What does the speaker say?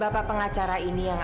bapak pengacara ini yang